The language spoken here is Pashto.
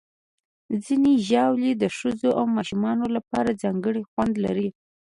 ځینې ژاولې د ښځو او ماشومانو لپاره ځانګړي خوندونه لري.